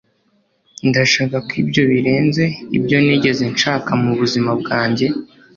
Ndashaka ko ibyo birenze ibyo nigeze nshaka mubuzima bwanjye.